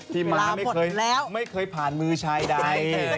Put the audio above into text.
ม้าไม่เคยผ่านมือชายใด